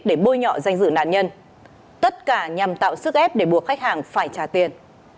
để bôi nhọ danh dự nạn nhân tất cả nhằm tạo sức ép để buộc khách hàng phải trả tiền